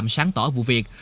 hắn tỏ vụ việc